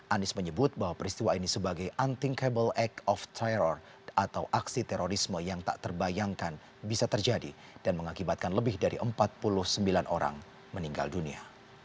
anies menyebut bahwa peristiwa ini sebagai unthinkable eck of terror atau aksi terorisme yang tak terbayangkan bisa terjadi dan mengakibatkan lebih dari empat puluh sembilan orang meninggal dunia